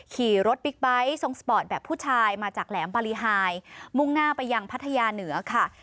ขี่รถบิ๊กไบท์ทรงสปอร์ตแบบผู้ชายมาจากแหลมบารีไฮมุ่งหน้าไปยังพัทยาเหนือค่ะ